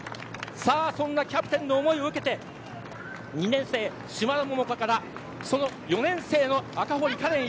そんなキャプテンの思いを受けて２年生、嶋田桃子から４年生の赤堀かりんに。